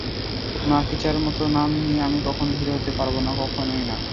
মাখিজার মতো নাম নিয়ে আমি কখনই হিরো হতে পারব না, কখনই না।